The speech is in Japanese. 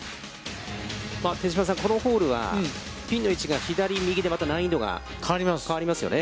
手嶋さん、このホールはピンの位置が左、右でまた難易度が変わりますよね？